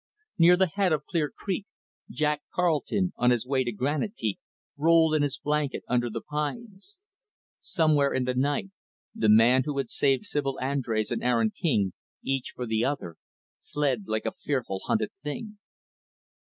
Near the head of Clear Creek, Jack Carleton, on his way to Granite Peak, rolled in his blanket under the pines. Somewhere in the night, the man who had saved Sibyl Andrés and Aaron King, each for the other, fled like a fearful, hunted thing.